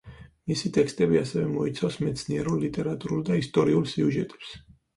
მისი ტექსტები ასევე მოიცავს მეცნიერულ, ლიტერატურულ და ისტორიულ სიუჟეტებს.